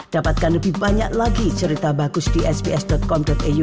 dapatkan lebih banyak lagi cerita bagus di sbs com au